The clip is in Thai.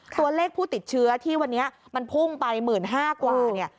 ตัวเลขผู้ติดเชื้อที่วันนี้มันพุ่งไป๑๕๐๐กว่าเนี่ย